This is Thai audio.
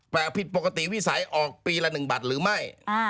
แต่ผิดปกติวิสัยออกปีละ๑บัตรหรือไม่